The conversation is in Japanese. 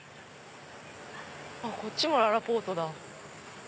こっちもららぽーとだ。